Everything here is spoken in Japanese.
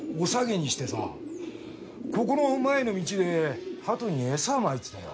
ここの前の道で鳩に餌をまいてたよ。